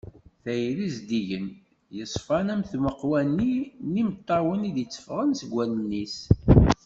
Tayri zeddigen, yeṣfan am tmeqwa-nni n yimeṭṭawen i d-yeffɣen seg wallen-is.